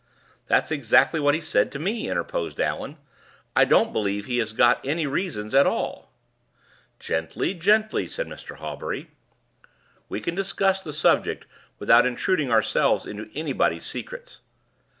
"That's exactly what he said to me," interposed Allan. "I don't believe he has got any reasons at all." "Gently! gently!" said Mr. Hawbury. "We can discuss the subject without intruding ourselves into anybody's secrets.